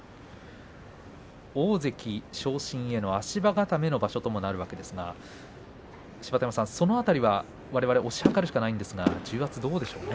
大関昇進への足場固めの場所となるわけですが芝田山さんその辺りわれわれ推し量るしかないんですが重圧はどうでしょうか。